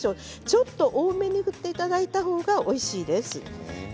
ちょっと多めに振っていただいたほうがおいしいです。